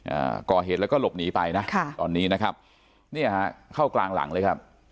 อ่าก่อเหตุแล้วก็หลบหนีไปนะค่ะตอนนี้นะครับเนี่ยฮะเข้ากลางหลังเลยครับ